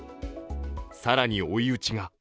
更に追い打ちが。